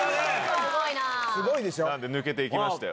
なんで、抜けて行きましたよ。